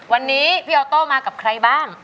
วันนี้พี่ออโต้มากับใครบ้าง